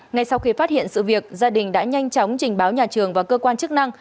ngay sau khi phát hiện sự việc gia đình đã nhanh chóng trình báo nhà trường và cơ quan chức năng